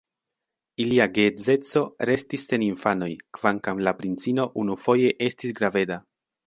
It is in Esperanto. Ilia geedzeco restis sen infanoj, kvankam la princino unufoje estis graveda.